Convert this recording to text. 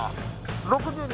６２。